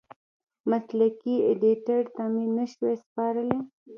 مسلکي ایډېټر ته مې نشوای سپارلی.